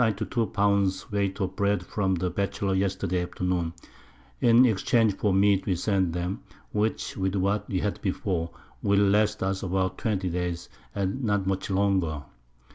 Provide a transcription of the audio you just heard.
_ Weight of Bread from the Batchelor Yesterday Afternoon, in Exchange for Meat we sent 'em, which with what we had before, will last us about 20 Days, and not much longer.